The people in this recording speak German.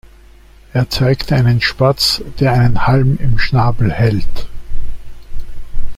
Es zeigte einen Spatz, der einen Halm im Schnabel hält.